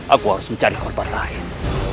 aku harus mencari korban lain